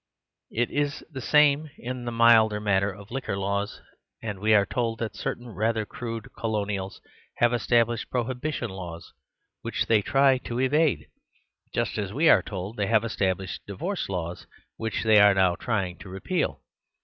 It is the same in the milder matter of liquor laws ; and we are told that certain rather crude colonials have es tablished prohibition laws, which they try to evade; just as we are told they have estab lished divorce laws, which they are now try ing to repeal.